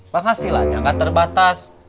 penghasilannya nggak terbatas